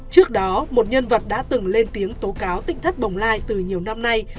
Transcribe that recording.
trước đó một nhân vật đã từng lên tiếng tố cáo tỉnh thất bồng lai từ nhiều năm nay